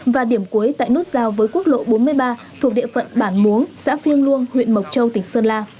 và điểm cuối tại nút giao với quốc lộ bốn mươi ba thuộc địa phận bản mống xã phiêng luông huyện mộc châu tỉnh sơn la